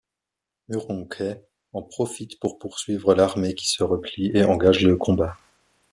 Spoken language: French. Murong Quai en profite pour poursuivre l'armée qui se replie et engage le combat.